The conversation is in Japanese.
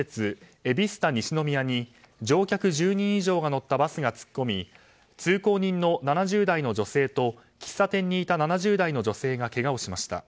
エビスタ西宮に乗客１０人以上が乗ったバスが突っ込み通行人の７０代の女性と喫茶店にいた７０代の女性がけがをしました。